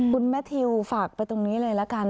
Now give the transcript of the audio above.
คุณแมททิวฝากไปตรงนี้เลยละกัน